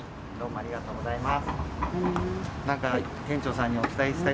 ありがとうございます。